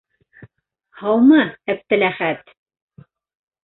Һаумы, Әптеләхәт!